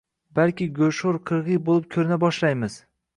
balki go‘shtxo‘r qirg‘iy bo‘lib ko‘rina boshlaymiz?